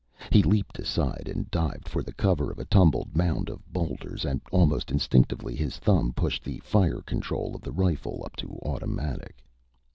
He leaped aside and dived for the cover of a tumbled mound of boulders and almost instinctively his thumb pushed the fire control of the rifle up to automatic.